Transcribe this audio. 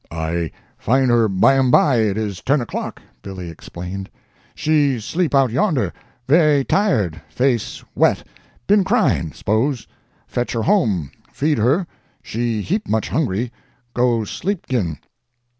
"I find her bymeby it is ten o'clock," Billy explained. "She 'sleep out yonder, ve'y tired face wet, been cryin', 'spose; fetch her home, feed her, she heap much hungry go 'sleep 'gin."